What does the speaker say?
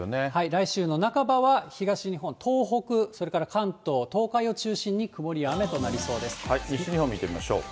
来週の半ばは東日本、東北、それから関東、東海を中心に曇り西日本見てみましょう。